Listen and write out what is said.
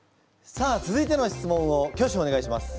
さあ続いての質問を挙手お願いします。